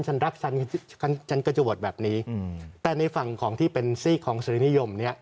ฉันรักฉันฉันก็จะโหวตแบบนี้แต่ในฝั่งของที่เป็นซีกของศิลินิยม